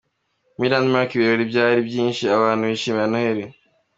Muri Landmark ibirori byari byinshi abantu bishimira Noheri.